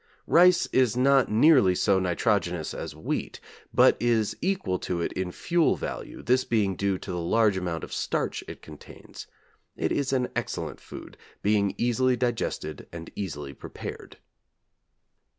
Rice is not nearly so nitrogenous as wheat, but is equal to it in fuel value, this being due to the large amount of starch it contains. It is an excellent food, being easily digested and easily prepared.